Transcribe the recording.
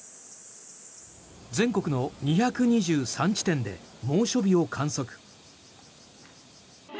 全国の２２３地点で猛暑日を観測。